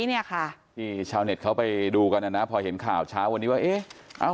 นี่เช้าเน็ตเขาไปดูกันนะพอเห็นข่าวเช้าวันนี้ว่า